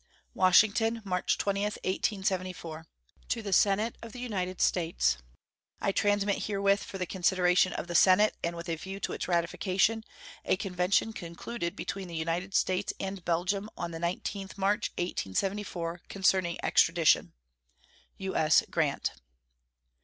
WASHINGTON, March 20, 1874. To the Senate of the United States: I transmit herewith, for the consideration of the Senate and with a view to its ratification, a convention concluded between the United States and Belgium on the 19th March, 1874, concerning extradition. U.S. GRANT.